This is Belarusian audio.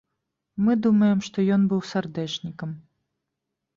Мы думаем, што ён быў сардэчнікам.